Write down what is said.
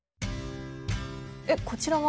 えっこちらは？